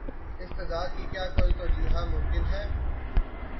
اس تضاد کی کیا کوئی توجیہہ ممکن ہے؟